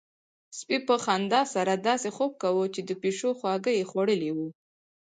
سپي په خندا سره داسې خوب کاوه چې د پيشو خواږه يې خوړلي وي.